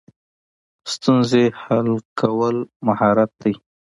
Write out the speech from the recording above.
ستونزې حل کول مهارت دی